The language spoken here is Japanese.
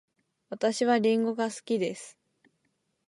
私はりんごが好きです。